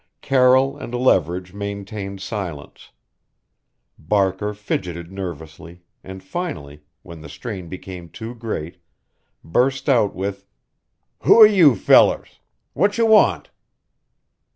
Carroll and Leverage maintained silence. Barker fidgeted nervously, and finally, when the strain became too great, burst out with: "Who are you fellers? Whatcha want?"